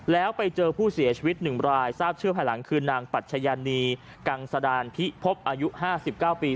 แล้วไปเจอผู้เสียชีวิต๑รายทราบชื่อภายหลังคือนางปัชญานีกังสดานพิพบอายุ๕๙ปี